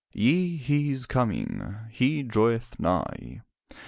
''Yea, he is coming; he draweth nigh.